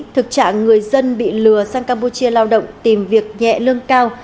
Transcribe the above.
thực trạng người dân bị lừa sang campuchia lao động tìm việc nhẹ lương cao